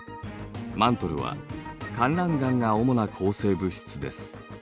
マントルはかんらん岩が主な構成物質です。